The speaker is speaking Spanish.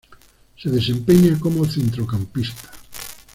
Se desempeña como centrocampista.